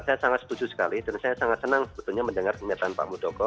saya sangat setuju sekali dan saya sangat senang sebetulnya mendengar pernyataan pak muldoko